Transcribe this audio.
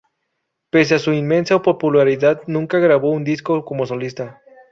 Pese a su inmensa popularidad, nunca grabó un disco como solista.